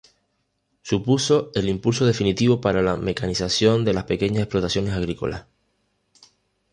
Supuso el 'impulso definitivo para la mecanización de las pequeñas explotaciones agrícolas.